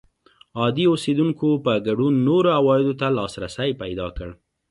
عادي اوسېدونکو په ګډون نورو عوایدو ته لاسرسی پیدا کړ